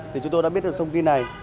thì chúng tôi đã biết được thông tin này